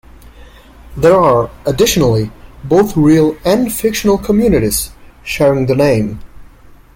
There are, additionally, both real and fictional communities sharing the name.